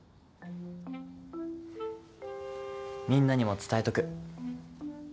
みんなにも伝えとく。